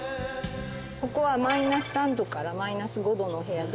ここはマイナス３℃からマイナス５℃のお部屋で。